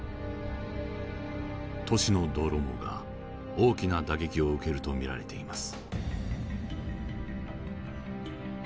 都市の道路網が大きな打撃を受けると見られています。